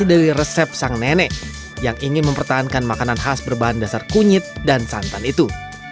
ini adalah nasi kuning yang dikasih dari resep sang nenek yang ingin mempertahankan makanan khas berbahan dasar kunyit dan santan itu